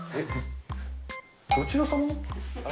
どちら様？